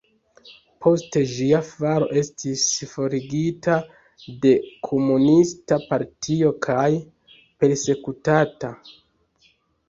Post ĝia falo estis forigita de komunista partio kaj persekutata.